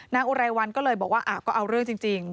อุไรวันก็เลยบอกว่าก็เอาเรื่องจริง